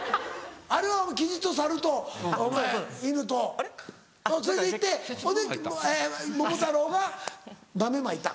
あれはキジとサルと犬と連れて行ってほいで桃太郎が豆まいた。